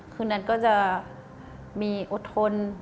นัทก็จะมีอดทน